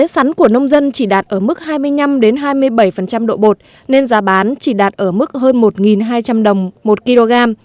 sắn của nông dân chỉ đạt ở mức hai mươi năm hai mươi bảy độ bột nên giá bán chỉ đạt ở mức hơn một hai trăm linh đồng một kg